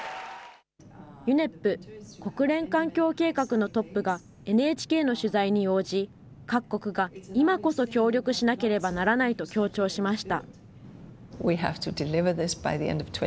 ＵＮＥＰ・国連環境計画のトップがＮＨＫの取材に応じ、各国が今こそ協力しなければならないと強調しました。